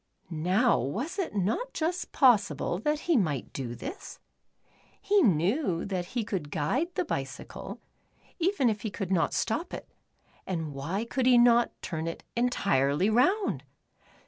Now was it not just possible that he might do this? He knew that he could guide the bicycle, even if he could not stop it, and why could he not turn it entirely round